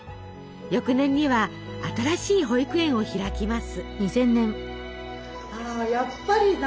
翌年には新しい保育園を開きます。